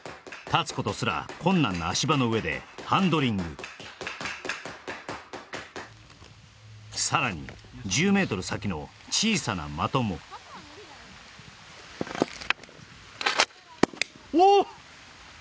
立つことすら困難な足場の上でハンドリングさらに１０ｍ先の小さな的も・おっ！